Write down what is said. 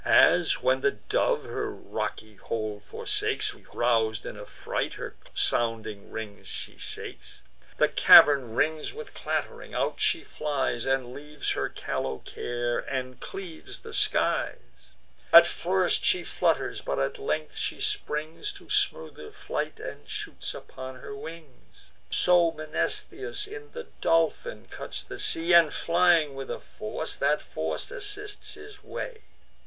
As, when the dove her rocky hold forsakes, Rous'd in a fright, her sounding wings she shakes; The cavern rings with clatt'ring; out she flies, And leaves her callow care, and cleaves the skies: At first she flutters; but at length she springs To smoother flight, and shoots upon her wings: So Mnestheus in the Dolphin cuts the sea; And, flying with a force, that force assists his way.